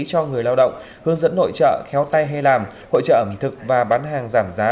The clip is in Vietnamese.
cho người lao động hướng dẫn nội trợ khéo tay hay làm hội trợ ẩm thực và bán hàng giảm giá